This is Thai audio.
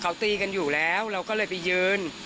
เขาตีกันอยู่แล้วเราก็เลยไปยืน